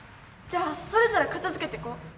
じゃあそれぞれ片づけていこう。